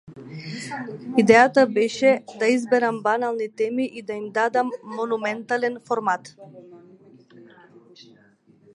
Идејата беше да изберам банални теми и да им дадам монументален формат.